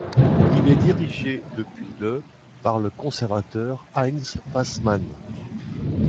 Il est dirigé depuis le par le conservateur Heinz Fassmann.